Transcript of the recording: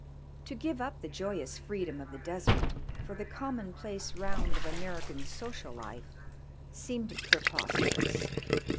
To give up the joyous freedom of the desert for the commonplace round of American social life seemed preposterous.